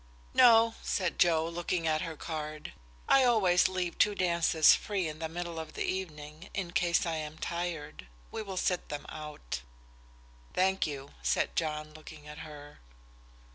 "No," said Joe, looking at her card; "I always leave two dances free in the middle of the evening in case I am tired. We will sit them out." "Thank you," said John, looking at her.